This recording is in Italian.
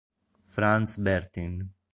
Frantz Bertin